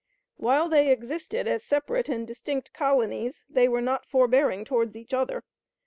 While they existed as separate and distinct colonies they were not forbearing toward each other.